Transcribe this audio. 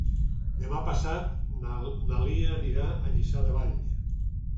Demà passat na Lia anirà a Lliçà de Vall.